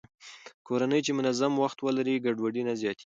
کورنۍ چې منظم وخت ولري، ګډوډي نه زياتېږي.